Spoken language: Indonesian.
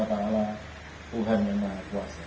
katakanlah tuhan yang maha kuasa